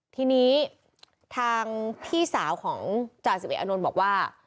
ทีนี้ทางพี่สาวของจ่าสิบเอกอานนท์บอกว่า